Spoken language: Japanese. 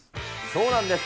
そうなんです。